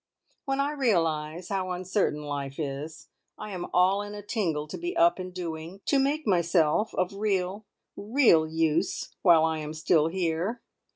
When I realise how uncertain life is, I am all in a tingle to be up and doing, to make myself of real, real use while I am still here.